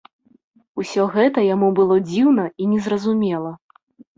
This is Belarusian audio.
Усё гэта яму было дзіўна і незразумела.